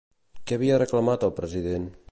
Què havia reclamat el president?